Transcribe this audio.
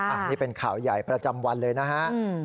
อันนี้เป็นข่าวใหญ่ประจำวันเลยนะฮะ